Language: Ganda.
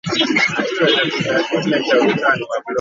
Wesige muno mu buli kyokola.